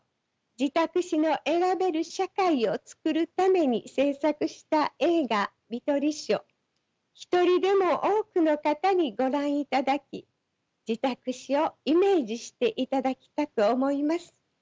自宅死の選べる社会を創るために制作した映画「みとりし」を一人でも多くの方にご覧いただき自宅死をイメージしていただきたく思います。